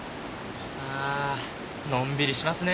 あぁのんびりしますね。